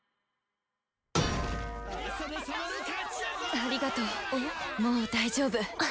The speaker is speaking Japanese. ありがとうもう大丈夫。